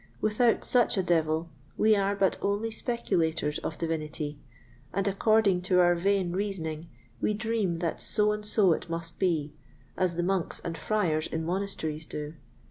Without such a devil, we are but only speculators of divinity, and according to our vain reasoning we dream that so and so it must be, as the Monks and Friars in monasteries do.